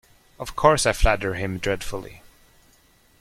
Of course I flatter him dreadfully.